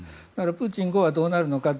プーチン後はどうなるのか。